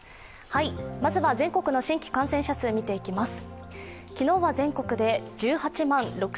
まずは、全国の新規感染者数見ていきます。